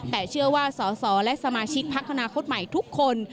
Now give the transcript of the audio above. แต่เชื่อว่าสอสอและสมาชิกพักอนาคตใหม่ทุกคน